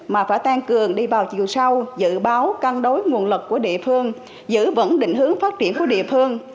mà phải tăng cường đi vào chiều sâu dự báo cân đối nguồn lực của địa phương giữ vững định hướng phát triển của địa phương